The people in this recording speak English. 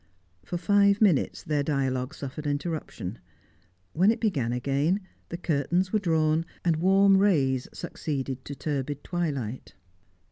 For five minutes their dialogue suffered interruption; when it began again, the curtains were drawn, and warm rays succeeded to turbid twilight.